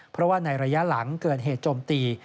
เพราะว่าในระยะหลังเกิดเหตุโจมตี